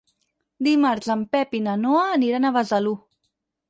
Dimarts en Pep i na Noa aniran a Besalú.